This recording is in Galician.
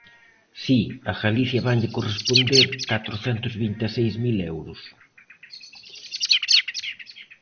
Si, a Galicia vanlle corresponder catrocentos vinte e seis mil euros.